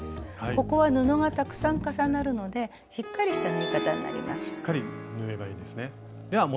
ここは布がたくさん重なるのでしっかりした縫い方になります。